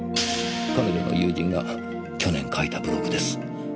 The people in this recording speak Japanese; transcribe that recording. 彼女の友人が去年書いたブログです。